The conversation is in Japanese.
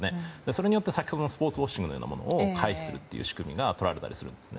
それによって先ほどのスポーツウォッシングのようなものを回避するという仕組みがとられたりするんです。